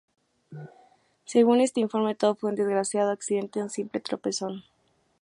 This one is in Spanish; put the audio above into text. Según este informe todo fue un desgraciado accidente, un simple tropezón.